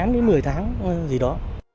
tám đến một mươi tháng gì đó